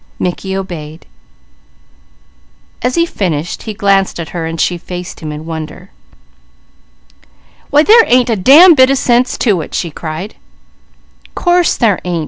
Mickey obeyed. As he finished she faced him in wonder. "Why they ain't a damn bit of sense to it!" she cried. "Course there ain't!"